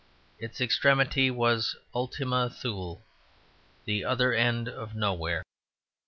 Its extremity was ultima Thule, the other end of nowhere.